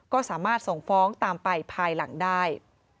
ก็สามารถส่งฟ้องตามไปภายหลังได้